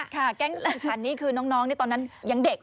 ค่ะแก๊งฉันนี้คือน้องตอนนั้นยังเด็ก